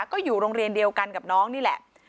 ก็อยู่โรงเรียนเดียวกันกับน้องนี่แหละ